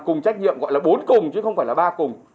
cùng trách nhiệm gọi là bốn cùng chứ không phải là ba cùng